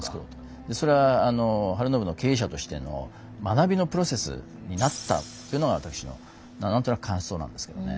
でそれは晴信の経営者としての学びのプロセスになったっていうのが私のなんとなく感想なんですけどね。